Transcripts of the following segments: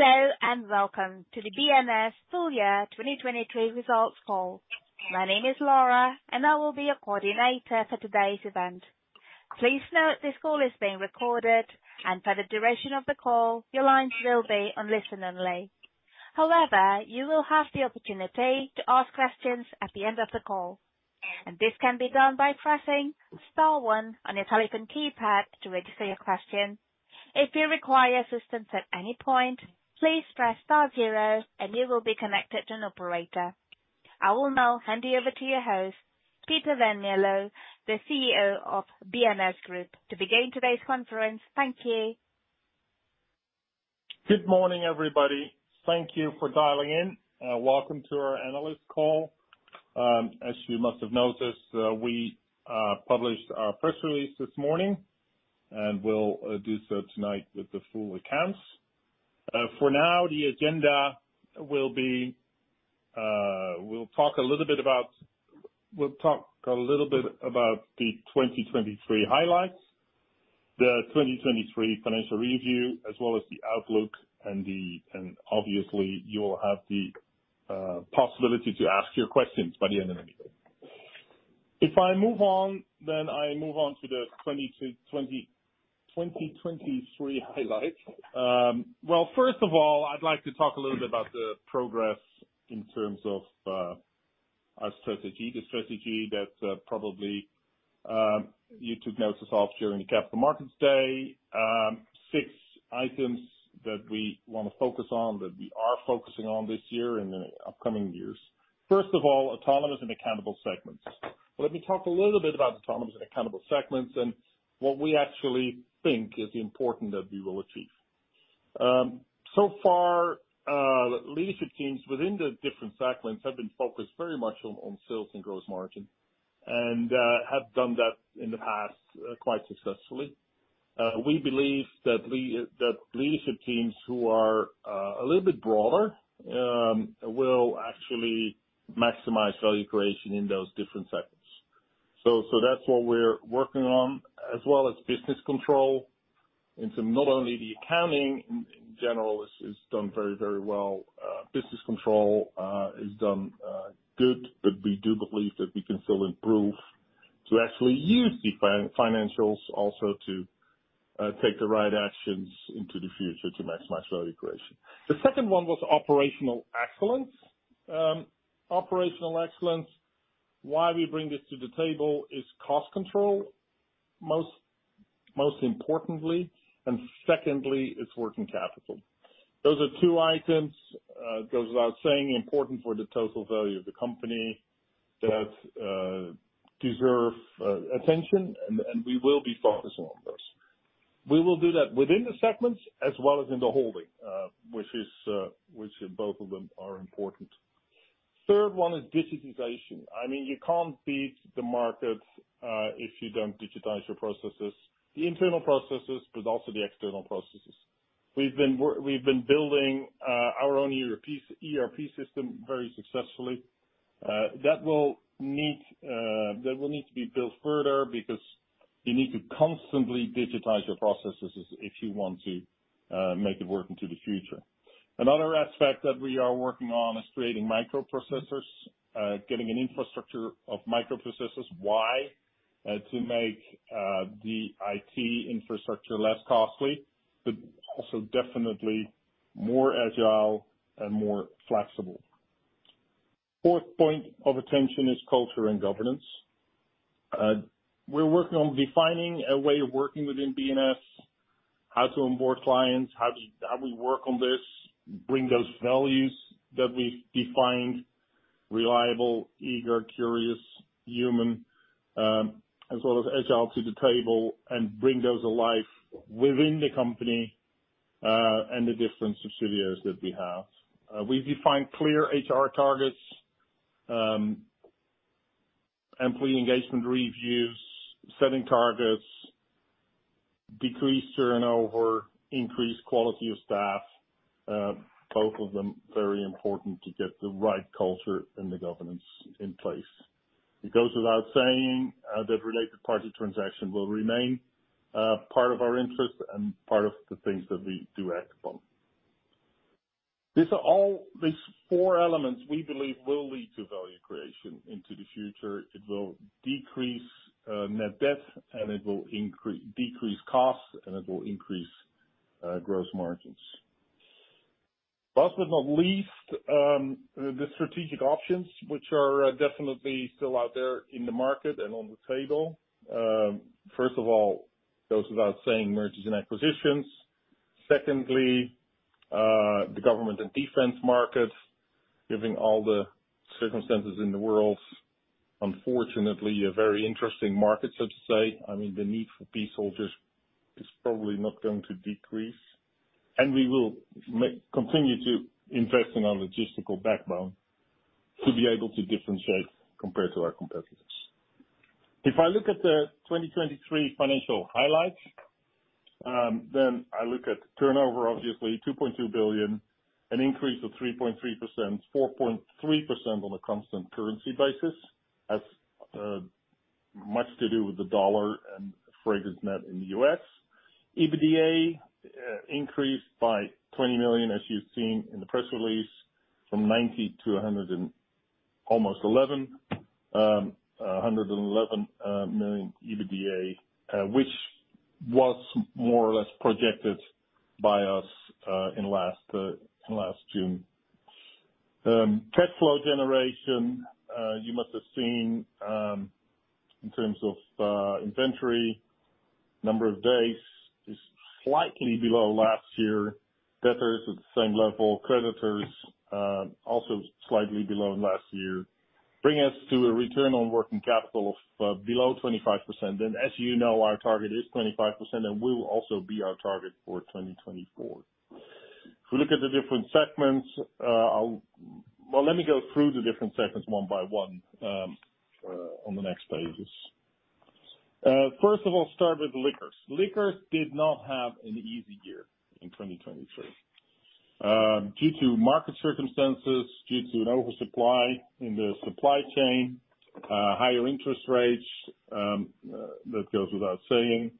Hello and welcome to the B&S full year 2023 results call. My name is Laura and I will be your coordinator for today's event. Please note this call is being recorded and for the duration of the call your lines will be on listen only. However, you will have the opportunity to ask questions at the end of the call and this can be done by pressing star one on your telephone keypad to register your question. If you require assistance at any point please press star zero and you will be connected to an operator. I will now hand you over to your host, Peter van Mierlo, the CEO of B&S Group. To begin today's conference, thank you. Good morning everybody. Thank you for dialing in. Welcome to our analyst call. As you must have noticed, we published our press release this morning and we'll do so tonight with the full accounts. For now, the agenda will be we'll talk a little bit about the 2023 highlights, the 2023 financial review as well as the outlook and obviously you'll have the possibility to ask your questions by the end of the meeting. If I move on, I move on to the 2023 highlights. Well, first of all, I'd like to talk a little bit about the progress in terms of our strategy, the strategy that probably you took notice of during the Capital Markets Day. Six items that we want to focus on, that we are focusing on this year and in the upcoming years. First of all, autonomous and accountable segments. Let me talk a little bit about autonomous and accountable segments and what we actually think is important that we will achieve. So far, leadership teams within the different segments have been focused very much on sales and gross margin and have done that in the past quite successfully. We believe that leadership teams who are a little bit broader will actually maximize value creation in those different segments. So that's what we're working on as well as business control. Not only the accounting in general is done very, very well. Business control is done good but we do believe that we can still improve to actually use the financials also to take the right actions into the future to maximize value creation. The second one was operational excellence. Operational excellence. Why we bring this to the table is cost control most importantly and secondly it's working capital. Those are two items, goes without saying, important for the total value of the company that deserve attention and we will be focusing on those. We will do that within the segments as well as in the holding which both of them are important. Third one is digitization. I mean, you can't beat the market if you don't digitize your processes, the internal processes, but also the external processes. We've been building our own ERP system very successfully. That will need to be built further because you need to constantly digitize your processes if you want to make it work into the future. Another aspect that we are working on is creating microprocessors, getting an infrastructure of microprocessors. Why? To make the IT infrastructure less costly but also definitely more agile and more flexible. Fourth point of attention is culture and governance. We're working on defining a way of working within B&S, how to onboard clients, how do we work on this, bring those values that we've defined: reliable, eager, curious, human as well as agile to the table and bring those alive within the company and the different subsidiaries that we have. We've defined clear HR targets, employee engagement reviews, setting targets, decreased turnover, increased quality of staff. Both of them very important to get the right culture and the governance in place. It goes without saying that related party transaction will remain part of our interest and part of the things that we do act upon. These four elements we believe will lead to value creation into the future. It will decrease net debt and it will decrease costs and it will increase gross margins. Last but not least, the strategic options which are definitely still out there in the market and on the table. First of all, goes without saying, mergers and acquisitions. Secondly, the government and defense market, given all the circumstances in the world, unfortunately a very interesting market so to say. I mean, the need for peacekeepers is probably not going to decrease and we will continue to invest in our logistical backbone to be able to differentiate compared to our competitors. If I look at the 2023 financial highlights then I look at turnover, obviously, 2.2 billion, an increase of 3.3%, 4.3% on a constant currency basis. Has much to do with the dollar and FragranceNet in the US. EBITDA increased by 20 million as you've seen in the press release from 90 million to almost 111 million EBITDA, which was more or less projected by us in last June. Cash flow generation, you must have seen in terms of inventory, number of days is slightly below last year. Debtors at the same level. Creditors also slightly below last year. Bring us to a return on working capital of below 25% and as you know our target is 25% and will also be our target for 2024. If we look at the different segments, well, let me go through the different segments one by one on the next pages. First of all, start with liquors. Liquors did not have an easy year in 2023 due to market circumstances, due to an oversupply in the supply chain, higher interest rates that goes without saying.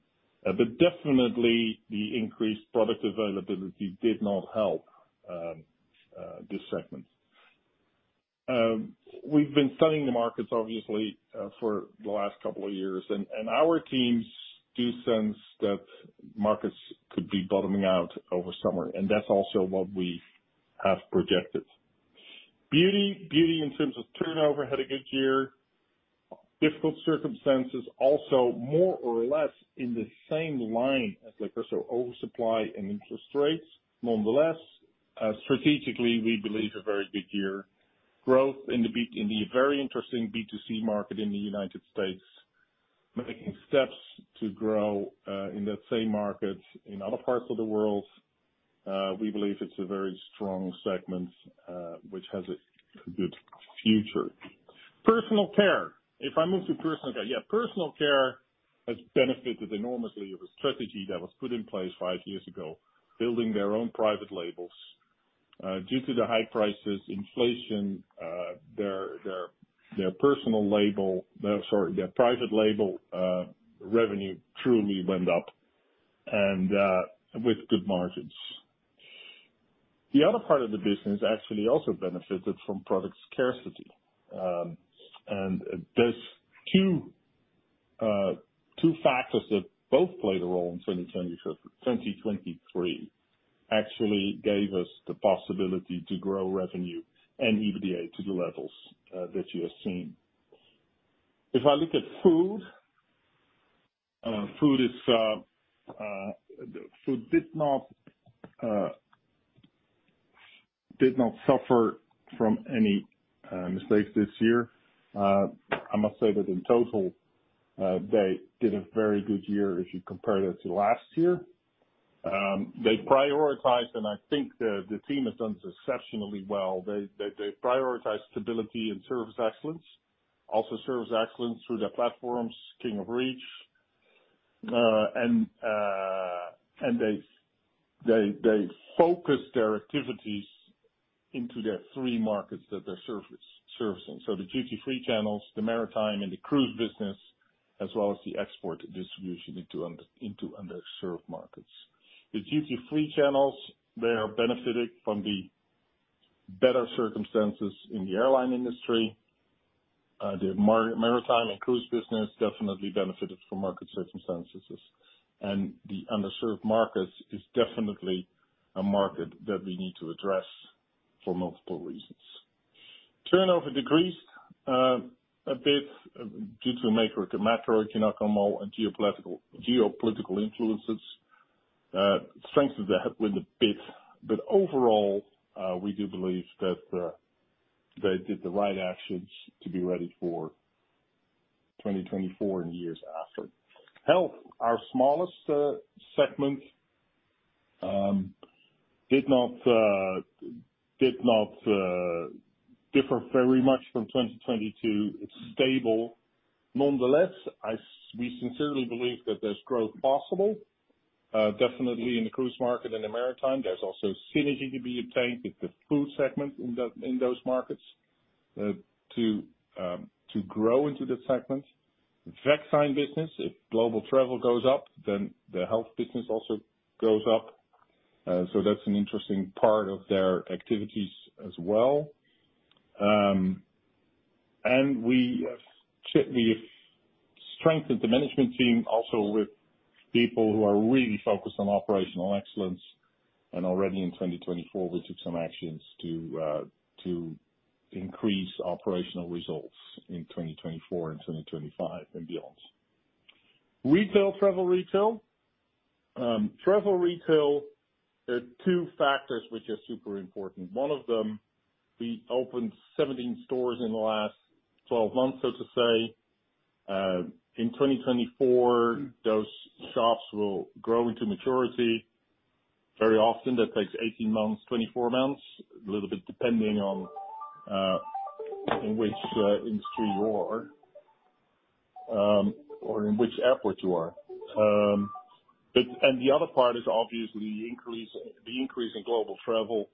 But definitely the increased product availability did not help this segment. We've been studying the markets obviously for the last couple of years and our teams do sense that markets could be bottoming out over summer and that's also what we have projected. Beauty, beauty in terms of turnover had a good year. Difficult circumstances also more or less in the same line as liquors. So oversupply and interest rates nonetheless. Strategically, we believe a very good year. Growth in the very interesting B2C market in the United States. Making steps to grow in that same market in other parts of the world. We believe it's a very strong segment which has a good future. Personal care. If I move to personal care, yeah, personal care has benefited enormously of a strategy that was put in place five years ago, building their own private labels. Due to the high prices, inflation, their personal label sorry, their private label revenue truly went up and with good margins. The other part of the business actually also benefited from product scarcity and those two factors that both played a role in 2023 actually gave us the possibility to grow revenue and EBITDA to the levels that you have seen. If I look at food, food did not suffer from any mistakes this year. I must say that in total they did a very good year if you compare that to last year. They prioritized and I think the team has done exceptionally well. They prioritized stability and service excellence, also service excellence through their platforms, King of Reach, and they focused their activities into their three markets that they're servicing. So the duty-free channels, the maritime, and the cruise business as well as the export distribution into underserved markets. The duty-free channels, they are benefited from the better circumstances in the airline industry. The maritime and cruise business definitely benefited from market circumstances and the underserved markets is definitely a market that we need to address for multiple reasons. Turnover decreased a bit due to macroeconomic and geopolitical influences. Strengthened a bit but overall we do believe that they did the right actions to be ready for 2024 and years after. Health, our smallest segment, did not differ very much from 2022. It's stable. Nonetheless, we sincerely believe that there's growth possible. Definitely in the cruise market and the maritime. There's also synergy to be obtained with the food segment in those markets to grow into that segment. Vaccine business, if global travel goes up then the health business also goes up. So that's an interesting part of their activities as well. And we have strengthened the management team also with people who are really focused on operational excellence and already in 2024 we took some actions to increase operational results in 2024 and 2025 and beyond. Retail, travel retail. Travel retail, two factors which are super important. One of them, we opened 17 stores in the last 12 months so to say. In 2024, those shops will grow into maturity. Very often that takes 18 months, 24 months, a little bit depending on in which industry you are or in which airport you are. And the other part is obviously the increase in global travel.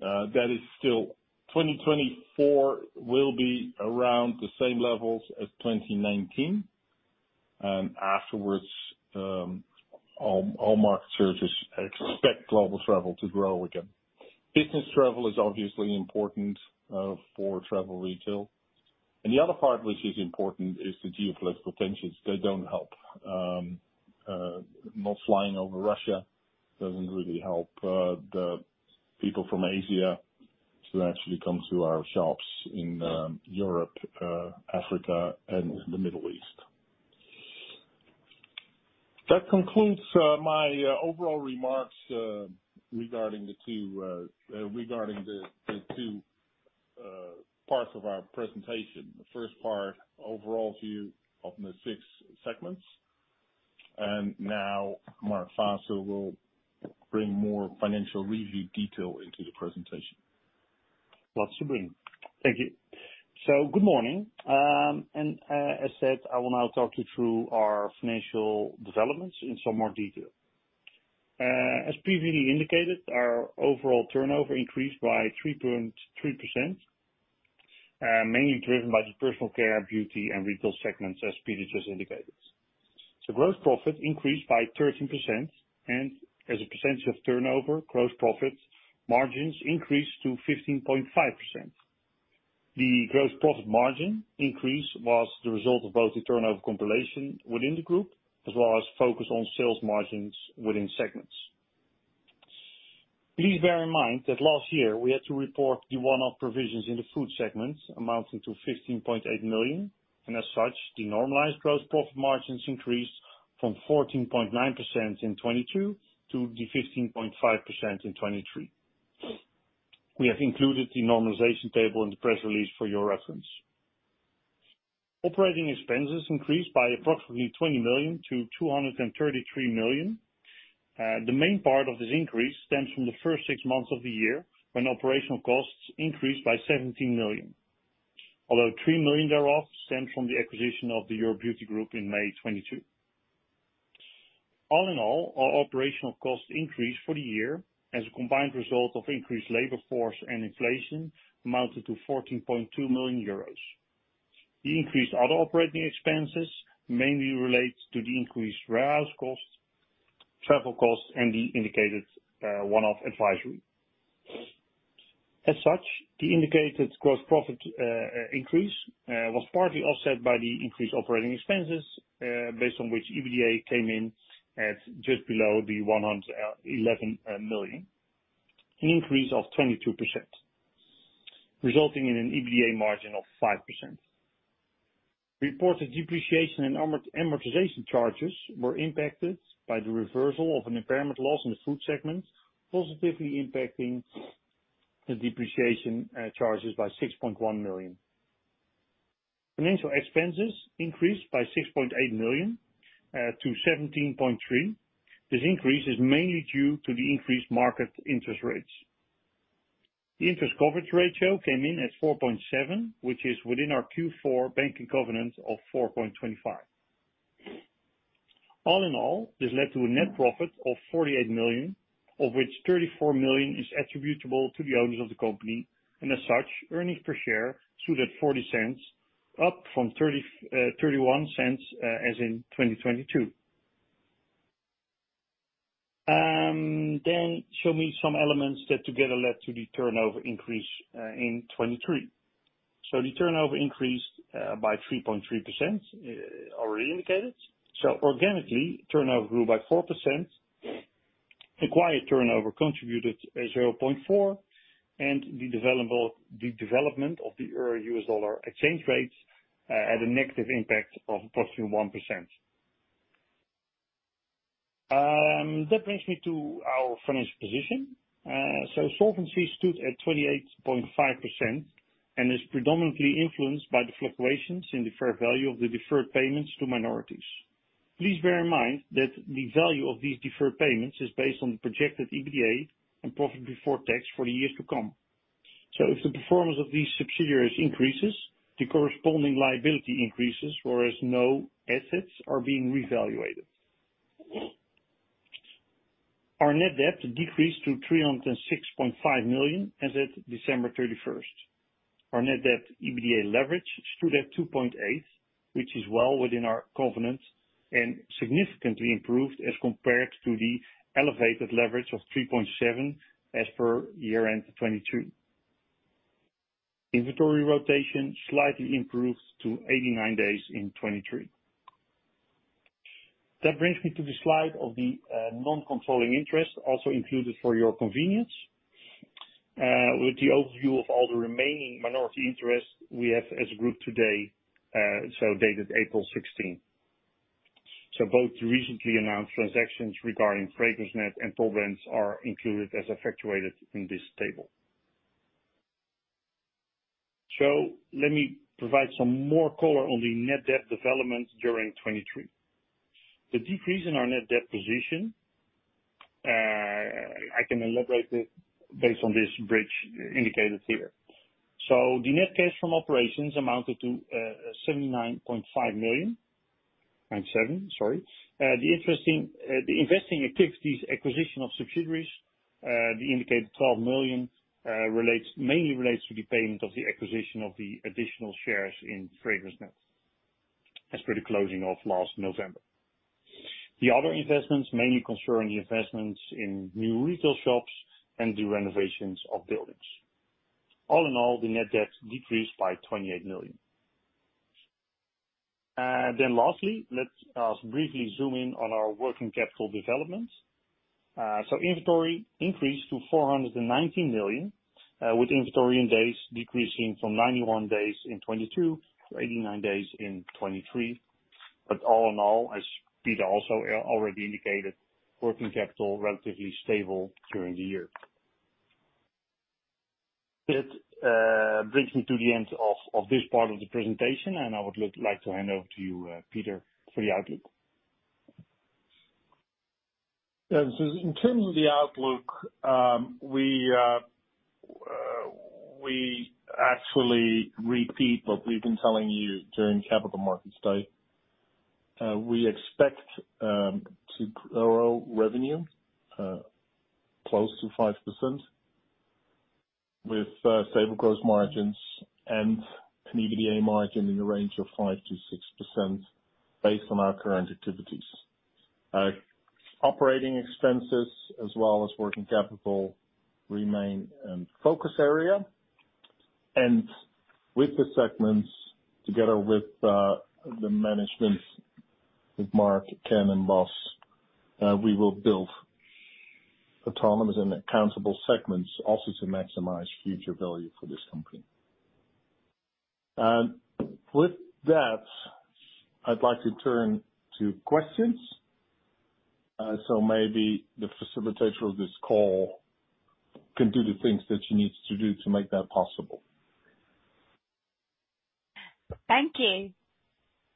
That is, still 2024 will be around the same levels as 2019, and afterwards all market searches expect global travel to grow again. Business travel is obviously important for travel retail. And the other part which is important is the geopolitical tensions. They don't help. Not flying over Russia doesn't really help the people from Asia to actually come to our shops in Europe, Africa, and the Middle East. That concludes my overall remarks regarding the two parts of our presentation. The first part, overall view of the six segments, and now Mark Faasse will bring more financial review detail into the presentation. Lots to bring. Thank you. So good morning, and as said, I will now talk you through our financial developments in some more detail. As previously indicated, our overall turnover increased by 3.3% mainly driven by the personal care, beauty, and retail segments as Peter just indicated. So gross profit increased by 13% and as a percentage of turnover, gross profit margins increased to 15.5%. The gross profit margin increase was the result of both the turnover composition within the group as well as focus on sales margins within segments. Please bear in mind that last year we had to report the one-off provisions in the food segments amounting to 15.8 million and as such the normalized gross profit margins increased from 14.9% in 2022 to the 15.5% in 2023. We have included the normalization table in the press release for your reference. Operating expenses increased by approximately 20 million to 233 million. The main part of this increase stems from the first six months of the year when operational costs increased by 17 million. Although 3 million thereof stems from the acquisition of the Europe Beauty Group in May 2022. All in all, our operational cost increase for the year as a combined result of increased labor force and inflation amounted to 14.2 million euros. The increased other operating expenses mainly relate to the increased warehouse cost, travel cost, and the indicated one-off advisory. As such, the indicated gross profit increase was partly offset by the increased operating expenses based on which EBITDA came in at just below 111 million, an increase of 22% resulting in an EBITDA margin of 5%. Reported depreciation and amortization charges were impacted by the reversal of an impairment loss in the food segment positively impacting the depreciation charges by 6.1 million. Financial expenses increased by 6.8 million to 17.3 million. This increase is mainly due to the increased market interest rates. The interest coverage ratio came in at 4.7 which is within our Q4 banking covenant of 4.25. All in all, this led to a net profit of 48 million of which 34 million is attributable to the owners of the company and as such earnings per share stood at 0.40 up from 0.31 as in 2022. Then show me some elements that together led to the turnover increase in 2023. So the turnover increased by 3.3% already indicated. So organically, turnover grew by 4%. Acquired turnover contributed 0.4% and the development of the euro/U.S. dollar exchange rate had a negative impact of approximately 1%. That brings me to our financial position. So solvency stood at 28.5% and is predominantly influenced by the fluctuations in the fair value of the deferred payments to minorities. Please bear in mind that the value of these deferred payments is based on the projected EBITDA and profit before tax for the years to come. So if the performance of these subsidiaries increases, the corresponding liability increases whereas no assets are being revaluated. Our net debt decreased to 306.5 million as at December 31st. Our net debt EBITDA leverage stood at 2.8 which is well within our covenant and significantly improved as compared to the elevated leverage of 3.7 as per year-end 2022. Inventory rotation slightly improved to 89 days in 2023. That brings me to the slide of the non-controlling interest also included for your convenience. With the overview of all the remaining minority interest we have as a group today so dated April 16th. So both the recently announced transactions regarding FragranceNet and Topbrands are included as effectuated in this table. So let me provide some more color on the net debt development during 2023. The decrease in our net debt position I can elaborate based on this bridge indicated here. So the net cash from operations amounted to 79.5 million. 97, sorry. The investing activities, acquisition of subsidiaries, the indicated 12 million mainly relates to the payment of the acquisition of the additional shares in FragranceNet as per the closing of last November. The other investments mainly concern the investments in new retail shops and the renovations of buildings. All in all, the net debt decreased by 28 million. Then lastly, let's briefly zoom in on our working capital development. So inventory increased to 419 million with inventory in days decreasing from 91 days in 2022 to 89 days in 2023. But all in all, as Peter also already indicated, working capital relatively stable during the year. That brings me to the end of this part of the presentation and I would like to hand over to you, Peter, for the outlook. So in terms of the outlook, we actually repeat what we've been telling you during Capital Markets Day. We expect to grow revenue close to 5% with stable gross margins and an EBITDA margin in the range of 5%-6% based on our current activities. Operating expenses as well as working capital remain a focus area and with the segments together with the management with Mark, Ken, and Bas, we will build autonomous and accountable segments also to maximize future value for this company. And with that, I'd like to turn to questions. So maybe the facilitator of this call can do the things that she needs to do to make that possible. Thank you.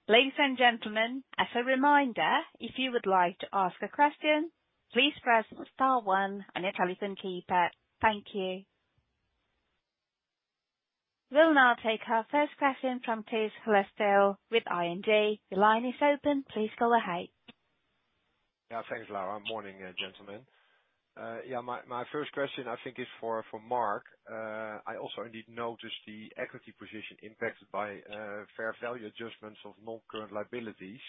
Ladies and gentlemen, as a reminder, if you would like to ask a question, please press star one on your telephone keypad. Thank you. We'll now take our first question from Tijs Hollestelle with ING. The line is open. Please go ahead. Yeah, thanks, Laura. Morning, gentlemen. Yeah, my first question I think is for Mark. I also indeed noticed the equity position impacted by fair value adjustments of non-current liabilities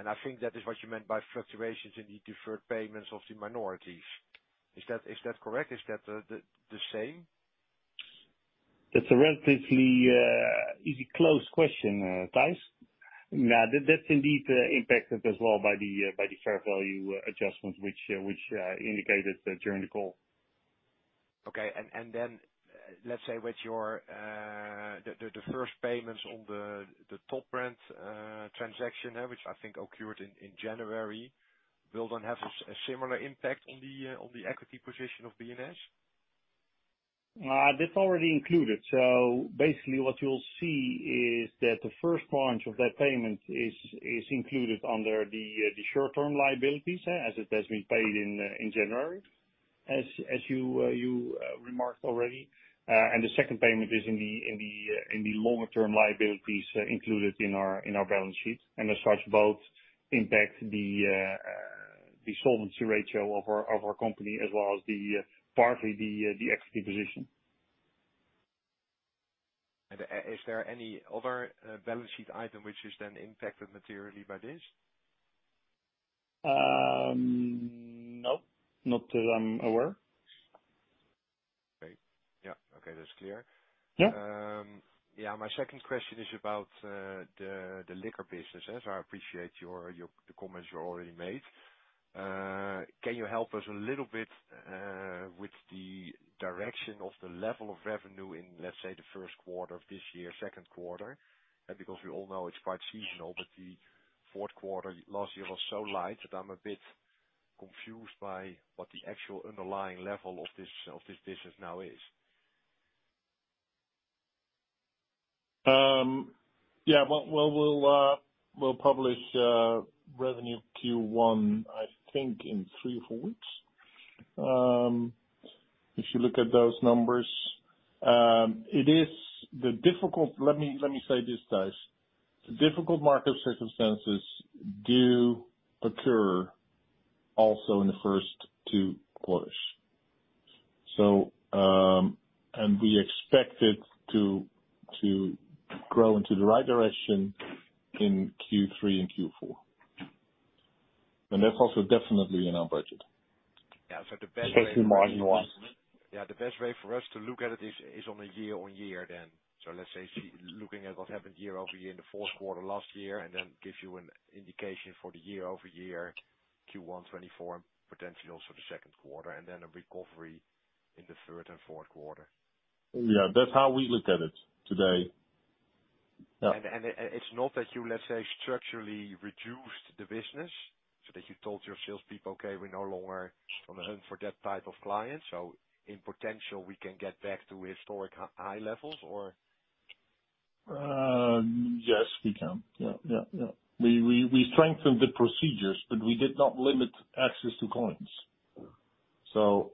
and I think that is what you meant by fluctuations in the deferred payments of the minorities. Is that correct? Is that the same? That's a relatively easy closed question, Tijs. No, that's indeed impacted as well by the fair value adjustments which I indicated during the call. Okay. And then let's say with the first payments on the Topbrands transaction which I think occurred in January, will that have a similar impact on the equity position of B&S? That's already included. So basically what you'll see is that the first tranche of that payment is included under the short-term liabilities as it has been paid in January as you remarked already and the second payment is in the longer-term liabilities included in our balance sheet and as such both impact the solvency ratio of our company as well as partly the equity position. Is there any other balance sheet item which is then impacted materially by this? Nope, not that I'm aware. Okay. Yeah. Okay. That's clear. Yeah, my second question is about the liquor business as I appreciate the comments you already made. Can you help us a little bit with the direction of the level of revenue in, let's say, the first quarter of this year, second quarter? Because we all know it's quite seasonal, but the fourth quarter last year was so light that I'm a bit confused by what the actual underlying level of this business now is. Yeah, well, we'll publish revenue Q1, I think, in three or four weeks. If you look at those numbers, it is difficult. Let me say this, Tijs. The difficult market circumstances do occur also in the first two quarters, and we expect it to grow into the right direction in Q3 and Q4, and that's also definitely in our budget. Yeah, so the best way to look at it. Yeah, the best way for us to look at it is on a year-on-year then. So let's say looking at what happened year-over-year in the fourth quarter last year and then give you an indication for the year-over-year Q1 2024, and potentially also the second quarter and then a recovery in the third and fourth quarter. Yeah, that's how we look at it today. Yeah. And it's not that you let's say structurally reduced the business so that you told your salespeople, "Okay, we no longer want to hunt for that type of client so in potential we can get back to historic high levels," or? Yes, we can. Yeah, yeah, yeah. We strengthened the procedures but we did not limit access to clients. So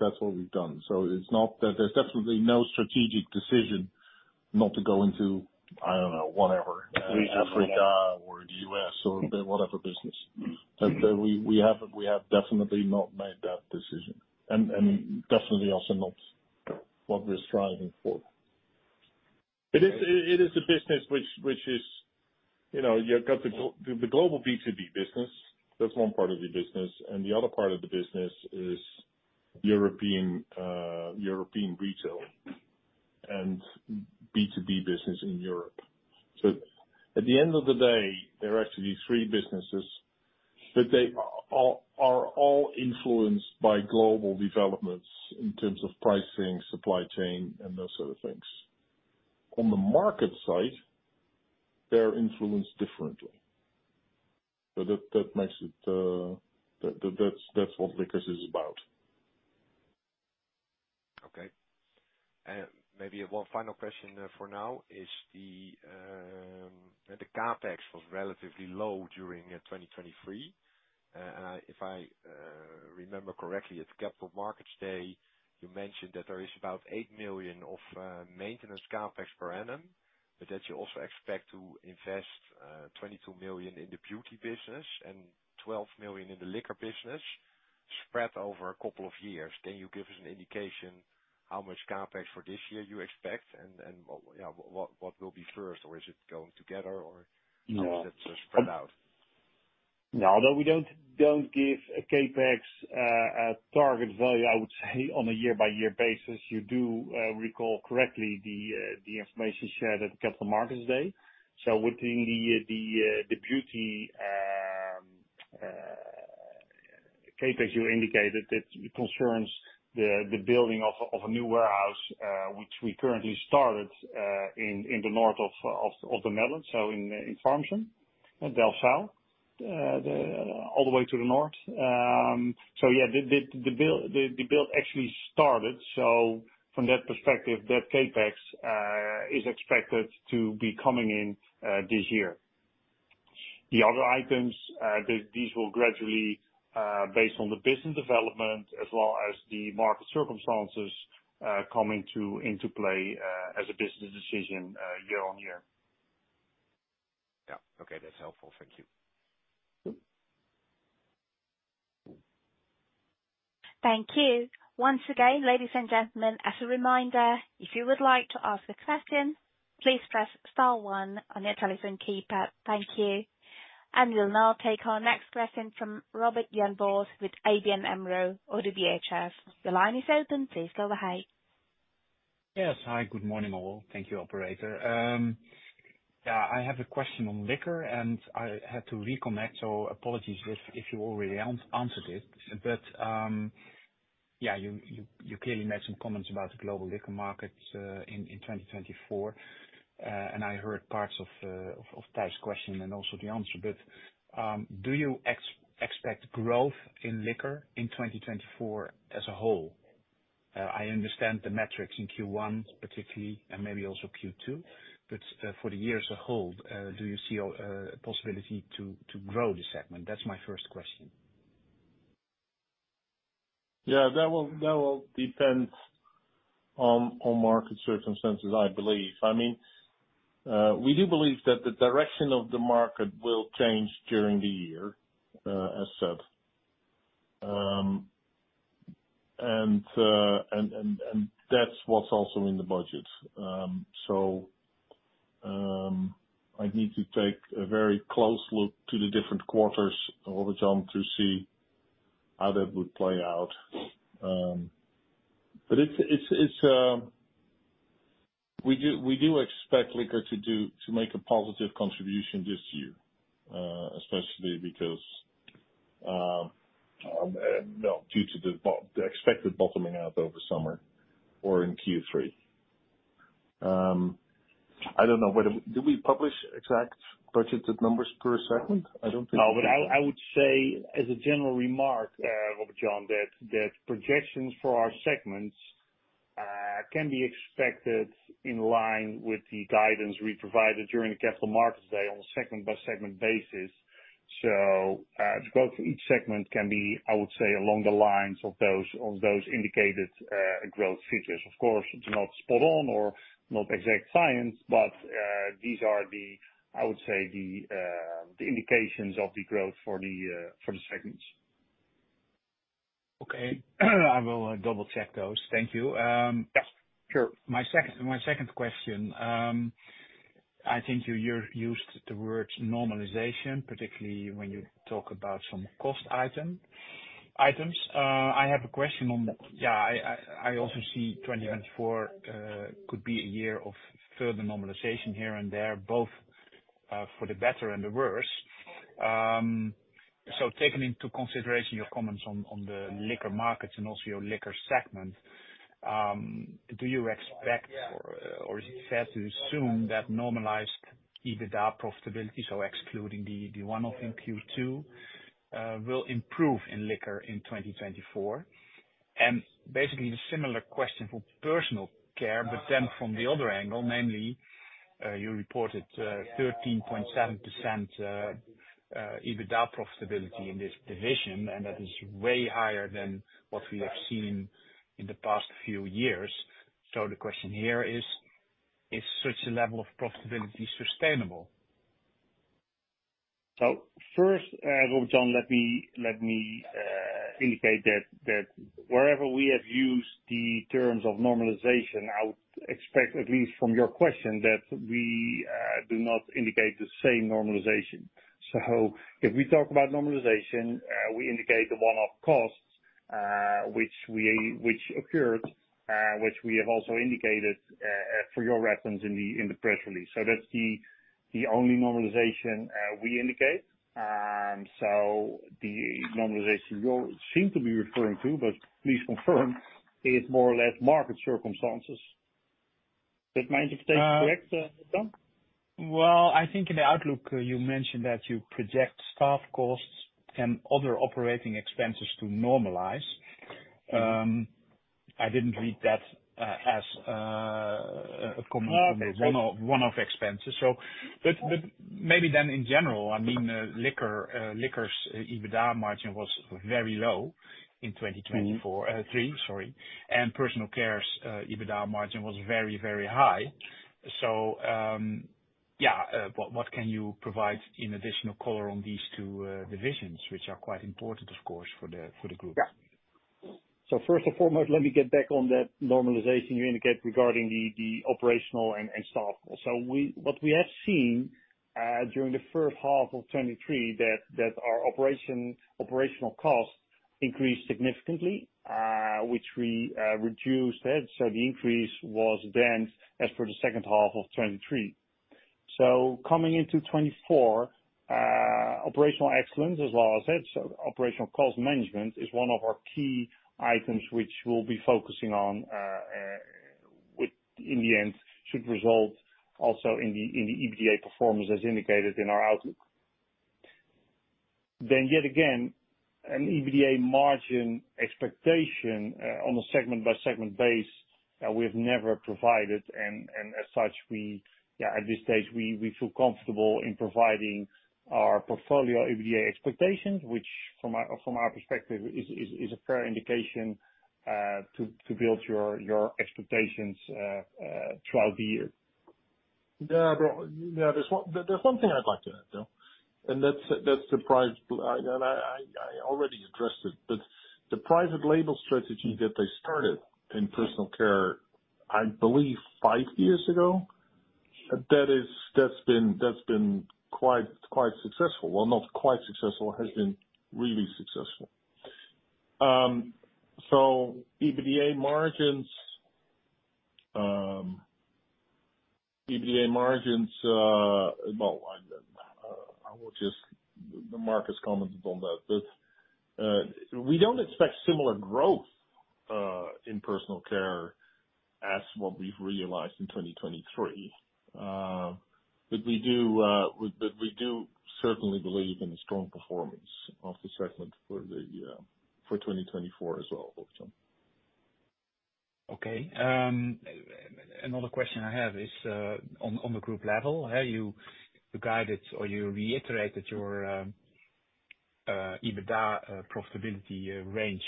that's what we've done. So it's not that there's definitely no strategic decision not to go into, I don't know, whatever, Africa or the US or whatever business. We have definitely not made that decision and definitely also not what we're striving for. It is a business which is, you've got the global B2B business. That's one part of the business and the other part of the business is European retail and B2B business in Europe. So at the end of the day, there are actually three businesses but they are all influenced by global developments in terms of pricing, supply chain, and those sort of things. On the market side, they're influenced differently. So that makes it. That's what liquors is about. Okay. Maybe one final question for now is the CapEx was relatively low during 2023 and if I remember correctly at Capital Markets Day, you mentioned that there is about 8 million of maintenance CapEx per annum but that you also expect to invest 22 million in the beauty business and 12 million in the liquor business spread over a couple of years. Can you give us an indication how much CapEx for this year you expect and what will be first or is it going together or is it spread out? No, although we don't give a CapEx target value, I would say on a year-by-year basis, you do recall correctly the information shared at the Capital Markets Day. So within the beauty CapEx you indicated, it concerns the building of a new warehouse which we currently started in the north of the Netherlands so in Farmsum, Delfzijl, all the way to the north. So yeah, the build actually started so from that perspective, that CapEx is expected to be coming in this year. The other items, these will gradually based on the business development as well as the market circumstances come into play as a business decision year on year. Yeah. Okay. That's helpful. Thank you. Thank you. Once again, ladies and gentlemen, as a reminder, if you would like to ask a question, please press star one on your telephone keypad. Thank you. And we'll now take our next question from Robert Jan Vos with ABN AMRO - ODDO BHF. The line is open. Please go ahead. Yes. Hi. Good morning all. Thank you, operator. Yeah, I have a question on liquor and I had to reconnect so apologies if you already answered it but yeah, you clearly made some comments about the global liquor markets in 2024 and I heard parts of Tijs' question and also the answer but do you expect growth in liquor in 2024 as a whole? I understand the metrics in Q1 particularly and maybe also Q2 but for the years ahead, do you see a possibility to grow the segment? That's my first question. Yeah, that will depend on market circumstances I believe. I mean, we do believe that the direction of the market will change during the year as said and that's what's also in the budget. So I'd need to take a very close look to the different quarters, Robert Jan, to see how that would play out. But we do expect liquor to make a positive contribution this year, especially because, no, due to the expected bottoming out over summer or in Q3. I don't know. Do we publish exact budgeted numbers per segment? I don't think we do. No, but I would say as a general remark, Robert Jan, that projections for our segments can be expected in line with the guidance we provided during the Capital Markets Day on a segment-by-segment basis. So the growth for each segment can be, I would say, along the lines of those indicated growth figures. Of course, it's not spot-on or not exact science, but these are the, I would say, the indications of the growth for the segments. Okay. I will double-check those. Thank you. My second question, I think you used the word normalization particularly when you talk about some cost items. I have a question on, yeah, I also see 2024 could be a year of further normalization here and there both for the better and the worse. So taking into consideration your comments on the liquor markets and also your liquor segment, do you expect or is it fair to assume that normalized EBITDA profitability, so excluding the one-off in Q2, will improve in liquor in 2024? And basically the similar question for personal care but then from the other angle, namely you reported 13.7% EBITDA profitability in this division and that is way higher than what we have seen in the past few years. So the question here is, is such a level of profitability sustainable? So first, Robert Jan, let me indicate that wherever we have used the terms of normalization, I would expect at least from your question that we do not indicate the same normalization. So if we talk about normalization, we indicate the one-off costs which occurred, which we have also indicated for your reference in the press release. So that's the only normalization we indicate. So the normalization you seem to be referring to, but please confirm, is more or less market circumstances. That might have been correct, Robert Jan? Well, I think in the outlook you mentioned that you project staff costs and other operating expenses to normalize. I didn't read that as a common one-off expense. But maybe then in general, I mean, liquor's EBITDA margin was very low in 2023, sorry, and personal care's EBITDA margin was very, very high. So yeah, what can you provide in additional color on these two divisions, which are quite important, of course, for the group? Yeah. So first and foremost, let me get back on that normalization you indicate regarding the operational and staff costs. So what we have seen during the first half of 2023 that our operational costs increased significantly which we reduced. So the increase was less as per the second half of 2023. So coming into 2024, operational excellence as well as operational cost management is one of our key items which we'll be focusing on which in the end should result also in the EBITDA performance as indicated in our outlook. Then yet again, an EBITDA margin expectation on a segment-by-segment basis, we have never provided and as such, at this stage, we feel comfortable in providing our portfolio EBITDA expectations which from our perspective is a fair indication to build your expectations throughout the year. Yeah, but there's one thing I'd like to add though and that's the private label and I already addressed it but the private label strategy that they started in personal care, I believe, five years ago, that's been quite successful. Well, not quite successful, has been really successful. So EBITDA margins, well, I will just the market's comments on that but we don't expect similar growth in personal care as what we've realized in 2023 but we do certainly believe in the strong performance of the segment for 2024 as well, Robert Jan. Okay. Another question I have is on the group level, you guided or you reiterated your EBITDA profitability range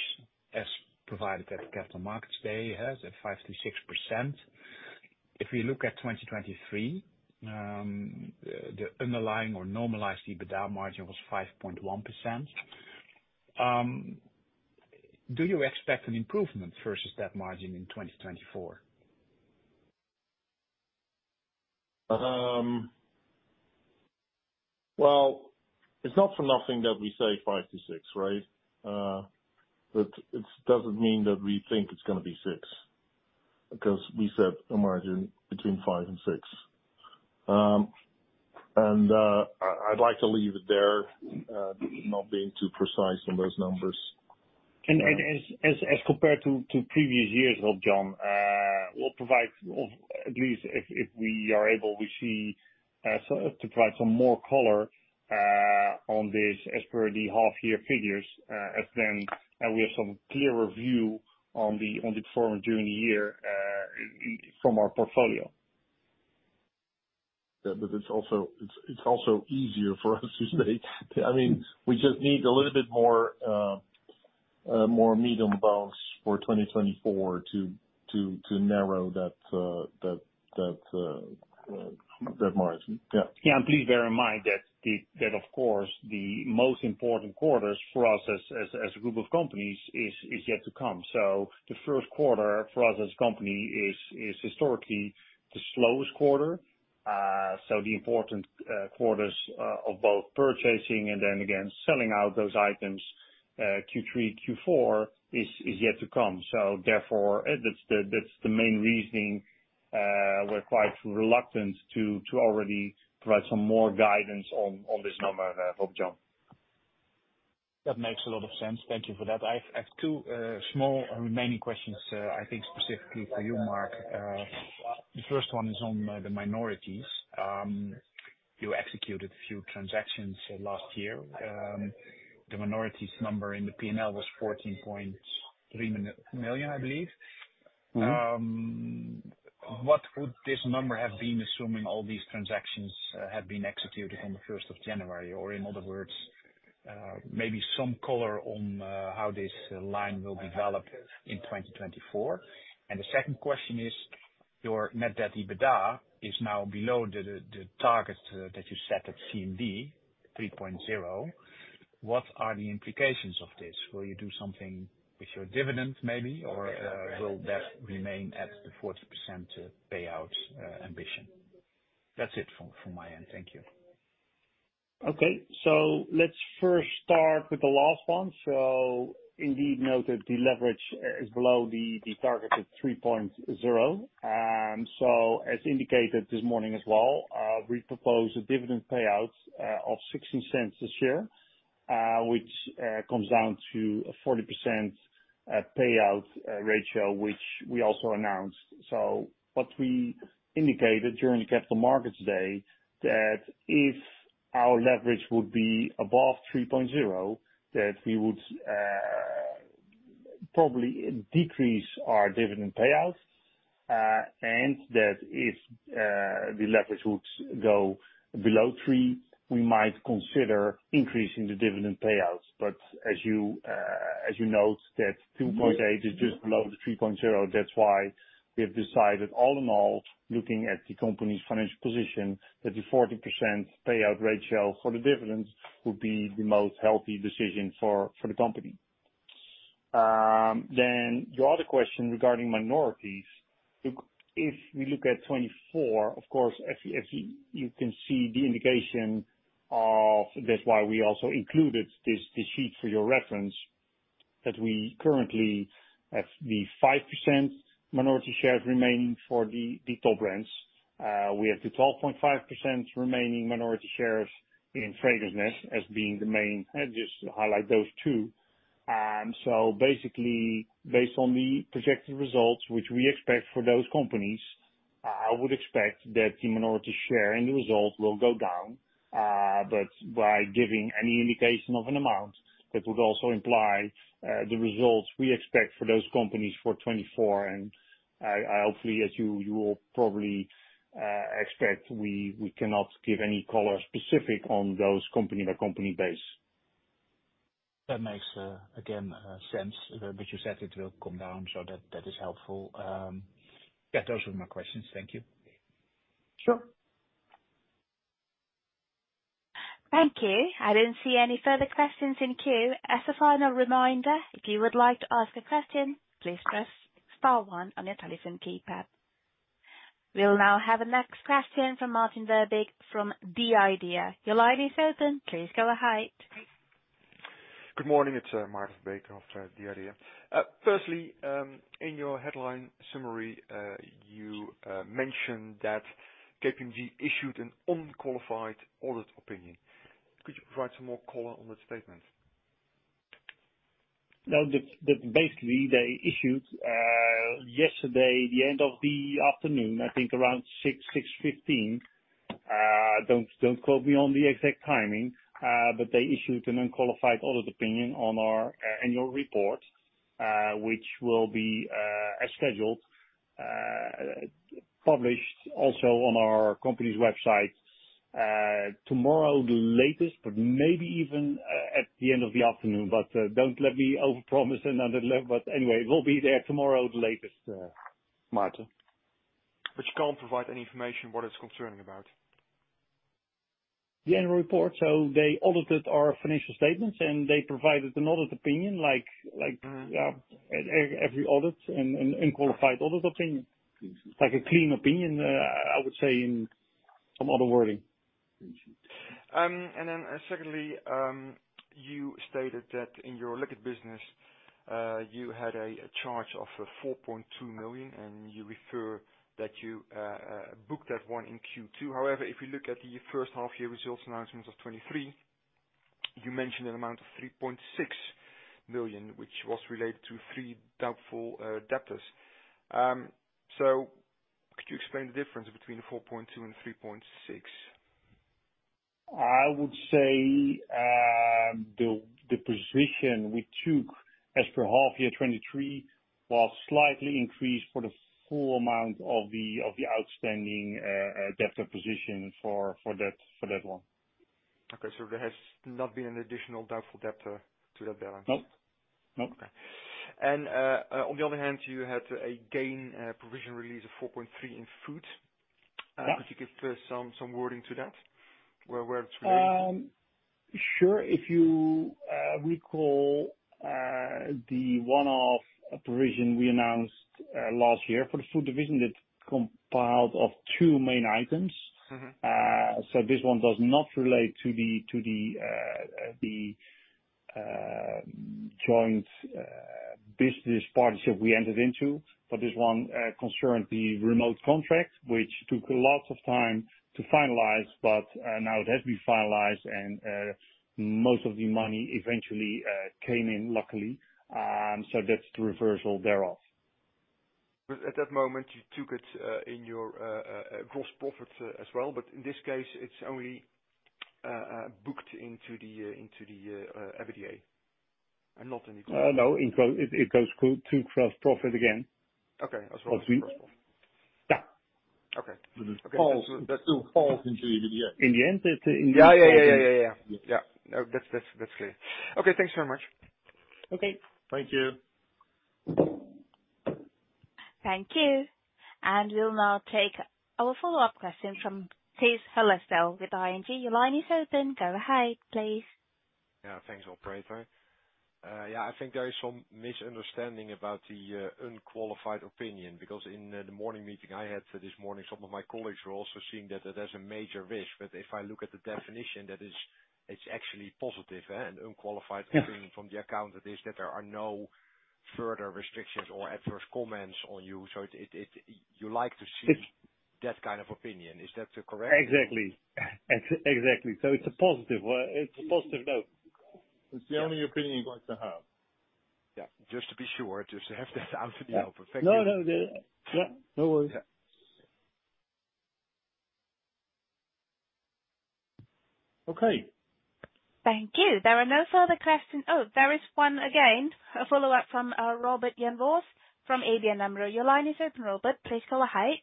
as provided at the Capital Markets Day at 5%-6%. If we look at 2023, the underlying or normalized EBITDA margin was 5.1%. Do you expect an improvement versus that margin in 2024? Well, it's not for nothing that we say 5-6, right? But it doesn't mean that we think it's going to be 6 because we said a margin between 5 and 6 and I'd like to leave it there not being too precise on those numbers. And as compared to previous years, Robert Jan, we'll provide at least if we are able, we see to provide some more color on this as per the half-year figures as then we have some clearer view on the performance during the year from our portfolio. But it's also easier for us to say I mean, we just need a little bit more meat on the bones for 2024 to narrow that margin. Yeah. Yeah. And please bear in mind that of course, the most important quarters for us as a group of companies is yet to come. So the first quarter for us as a company is historically the slowest quarter. So the important quarters of both purchasing and then again selling out those items Q3, Q4 is yet to come. So therefore, that's the main reasoning we're quite reluctant to already provide some more guidance on this number, Robert Jan. That makes a lot of sense. Thank you for that. I have two small remaining questions I think specifically for you, Mark. The first one is on the minorities. You executed a few transactions last year. The minorities number in the P&L was 14.3 million, I believe. What would this number have been assuming all these transactions had been executed on the 1st of January or in other words, maybe some color on how this line will develop in 2024? The second question is, your net debt EBITDA is now below the target that you set at CMD 3.0. What are the implications of this? Will you do something with your dividend maybe or will that remain at the 40% payout ambition? That's it from my end. Thank you. Okay. So let's first start with the last one. So indeed noted the leverage is below the target of 3.0. So as indicated this morning as well, we propose a dividend payout of 0.16 this year which comes down to a 40% payout ratio which we also announced. So what we indicated during the Capital Markets Day that if our leverage would be above 3.0, that we would probably decrease our dividend payout and that if the leverage would go below 3, we might consider increasing the dividend payout. But as you note that 2.8 is just below the 3.0, that's why we have decided all in all looking at the company's financial position that the 40% payout ratio for the dividends would be the most healthy decision for the company. Then your other question regarding minorities, if we look at 2024, of course, you can see the indication of that's why we also included this sheet for your reference that we currently have the 5% minority shares remaining for Topbrands. We have the 12.5% remaining minority shares in FragranceNet as being the main just to highlight those two. So basically based on the projected results which we expect for those companies, I would expect that the minority share in the result will go down, but by giving any indication of an amount that would also imply the results we expect for those companies for 2024. And hopefully, as you will probably expect, we cannot give any specific color on those company-by-company basis. That makes sense again, but you said it will come down, so that is helpful. Yeah, those were my questions. Thank you. Sure. Thank you. I didn't see any further questions in queue. As a final reminder, if you would like to ask a question, please press star 1 on your telephone keypad. We'll now have a next question from Maarten Verbeek from The IDEA!. Your line is open. Please go ahead. Good morning. It's Maarten Verbeek of The IDEA!. Firstly, in your headline summary, you mentioned that KPMG issued an unqualified audit opinion. Could you provide some more color on that statement? No, basically they issued yesterday the end of the afternoon, I think around 6:00 P.M., 6:15 P.M. Don't quote me on the exact timing but they issued an unqualified audit opinion on our annual report which will be as scheduled published also on our company's website tomorrow the latest but maybe even at the end of the afternoon. But don't let me overpromise another letter but anyway, it will be there tomorrow the latest, Martin. But you can't provide any information what it's concerning about? The annual report. So they audited our financial statements and they provided an audit opinion like every audit, an unqualified audit opinion, like a clean opinion I would say in some other wording. And then secondly, you stated that in your liquid business you had a charge of 4.2 million and you refer that you booked that one in Q2. However, if you look at the first half-year results announcements of 2023, you mentioned an amount of 3.6 million which was related to three doubtful debtors. So could you explain the difference between 4.2 and 3.6? I would say the position we took as per half-year 2023 was slightly increased for the full amount of the outstanding debtor position for that one. Okay. So there has not been an additional doubtful debtor to that balance? Nope. Nope. Okay. And on the other hand, you had a gain provision release of 4.3 million in food. Could you give some wording to that? Where it's related to? Sure. If you recall the one-off provision we announced last year for the food division that comprised of two main items. So this one does not relate to the joint business partnership we entered into, but this one concerned the remote contract which took a lot of time to finalize, but now it has been finalized and most of the money eventually came in luckily. So that's the reversal thereof. But at that moment, you took it in your gross profit as well, but in this case, it's only booked into the EBITDA and not in the gross profit? No, it goes to gross profit again. Okay. As well as gross profit. Yeah. Okay. That still falls into EBITDA. In the end, it in the end. Yeah, yeah, yeah, yeah, yeah, yeah. Yeah. No, that's clear. Okay. Thanks very much. Okay. Thank you. Thank you. We'll now take our follow-up question from Tijs Hollestelle with ING. Your line is open. Go ahead, please. Yeah. Thanks, Operator. Yeah, I think there is some misunderstanding about the unqualified opinion because in the morning meeting I had this morning, some of my colleagues were also seeing that it has a major risk. But if I look at the definition, it's actually positive and unqualified opinion from the accountant is that there are no further restrictions or adverse comments on you. So you like to see that kind of opinion. Is that correct? Exactly. Exactly. So it's a positive. It's a positive note. It's the only opinion you're going to have. Yeah. Just to be sure, just to have that out in the open. Thank you. No, no. Yeah. No worries. Okay. Thank you. There are no further questions. Oh, there is one again, a follow-up from Robert Jan Vos from ABN AMRO. Your line is open, Robert. Please go ahead.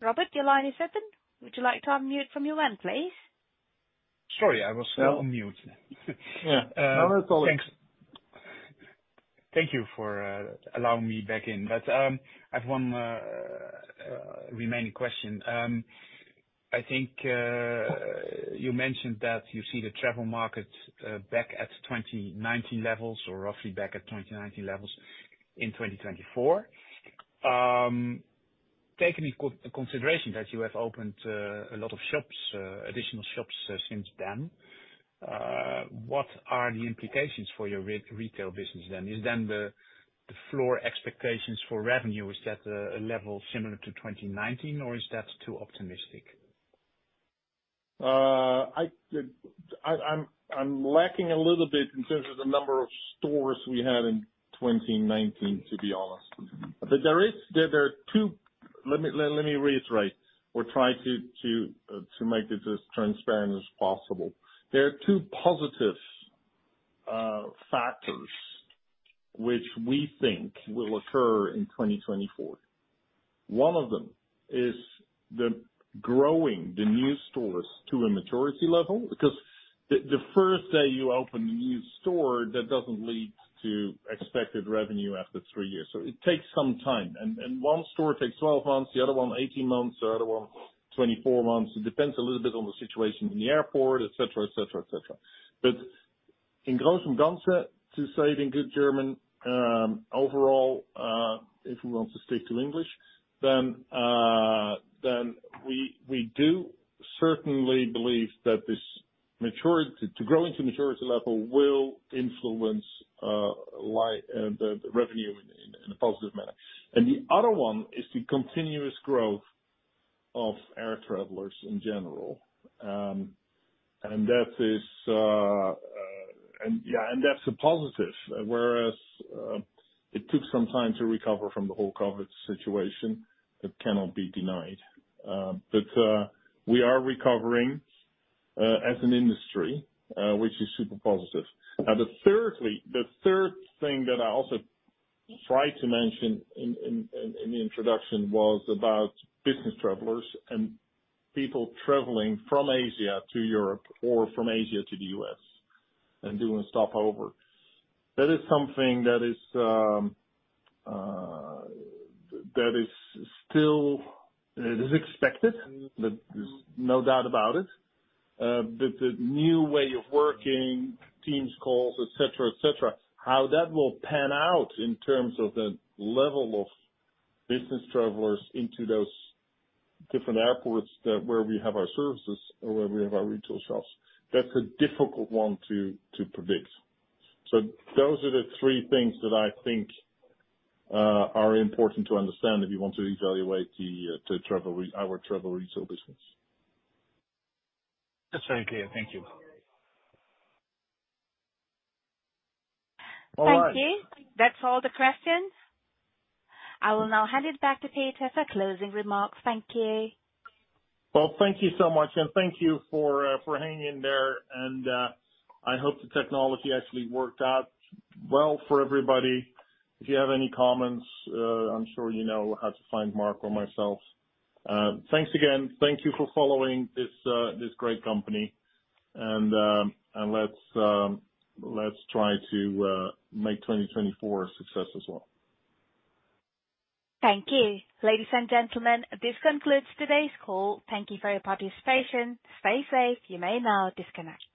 Robert, your line is open. Would you like to unmute from your end, please? Sorry. I was still unmuted. Yeah. No, that's all right. Thanks. Thank you for allowing me back in, but I have one remaining question. I think you mentioned that you see the travel market back at 2019 levels or roughly back at 2019 levels in 2024. Taking into consideration that you have opened a lot of shops, additional shops since then, what are the implications for your retail business then? Is then the floor expectations for revenue, is that a level similar to 2019 or is that too optimistic? I'm lacking a little bit in terms of the number of stores we had in 2019 to be honest. But there are two. Let me reiterate or try to make this as transparent as possible. There are two positive factors which we think will occur in 2024. One of them is the growing the new stores to a maturity level because the first day you open a new store, that doesn't lead to expected revenue after three years. So it takes some time. And one store takes 12 months, the other one 18 months, the other one 24 months. It depends a little bit on the situation in the airport, etc., etc., etc. But in grosso modo, to say it in good German, overall, if we want to stick to English, then we do certainly believe that this maturity to grow into maturity level will influence the revenue in a positive manner. And the other one is the continuous growth of air travelers in general. Yeah, that's a positive, whereas it took some time to recover from the whole COVID situation that cannot be denied. But we are recovering as an industry which is super positive. Now, the third thing that I also tried to mention in the introduction was about business travelers and people traveling from Asia to Europe or from Asia to the US and doing a stopover. That is something that is still expected. There's no doubt about it. But the new way of working, Teams calls, etc., etc., how that will pan out in terms of the level of business travelers into those different airports where we have our services or where we have our retail shops, that's a difficult one to predict. So those are the three things that I think are important to understand if you want to evaluate our travel retail business. That's very clear. Thank you. All right. Thank you. That's all the questions. I will now hand it back to Peter for closing remarks. Thank you. Well, thank you so much. And thank you for hanging there. And I hope the technology actually worked out well for everybody. If you have any comments, I'm sure you know how to find Mark or myself. Thanks again. Thank you for following this great company. And let's try to make 2024 a success as well. Thank you, ladies and gentlemen. This concludes today's call. Thank you for your participation. Stay safe. You may now disconnect.